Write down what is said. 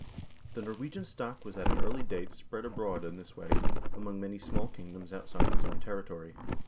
The Norwegian stock was at an early date spread abroad in this way, among many small kingdoms outside its own territory.